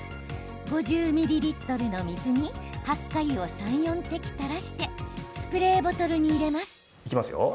５０ミリリットルの水にハッカ油を３、４滴垂らしてスプレーボトルに入れます。